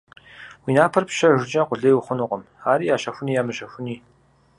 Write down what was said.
Уи напэр пщэжкӀэ къулей ухъунукъым, ари ящэхуни-ямыщэхуни.